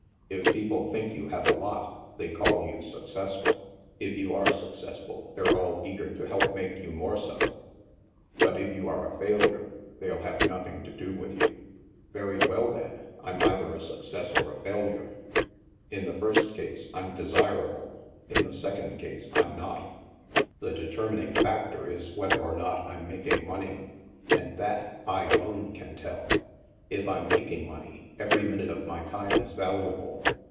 If people think you have a lot, they call you success ful. If you are successful, they're all eager to help make you more so. But if you are a failure, they'll have nothing to do with you. " Very well, then. I'm either a success or a failure; in the first case, I'm desirable; in the sec ond case, I'm not. The determining factor is whether or not I'm making money. And that, I, alone can tell. "If I'm making money, every minute of my time is valuable.